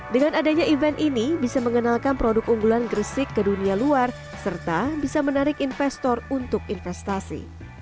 dengan adanya event ini bisa mengenalkan produk unggulan gresik ke dunia luar serta bisa menarik investor untuk investasi